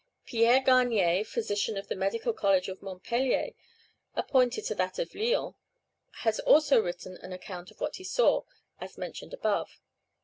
Pierre Garnier, physician of the medical college of Montpellier, appointed to that of Lyons, has also written an account of what he saw, as mentioned above.